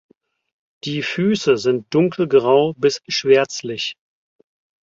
Die Füße sind dunkelgrau bis schwärzlich.